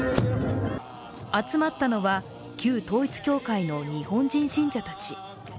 集まったのは、旧統一教会の日本人信者たち。